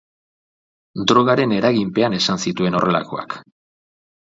Drogaren eraginpean esan zituen horrelakoak.